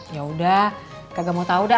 yaudah kagak mau tau dah